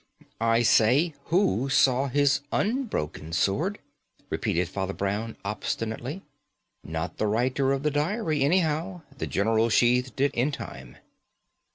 "I say, who saw his unbroken sword?" repeated Father Brown obstinately. "Not the writer of the diary, anyhow; the general sheathed it in time."